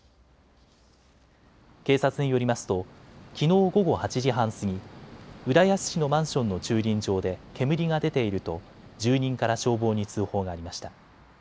警察によりますときのう午後８時半過ぎ、浦安市のマンションの駐輪場で煙が出ていると住人から消防に通報がありました。